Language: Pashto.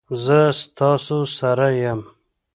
زه ستاسو سره یم